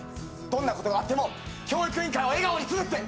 どんなことがあっても教育委員会を笑顔にするって。